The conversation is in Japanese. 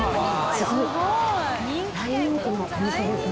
すごい。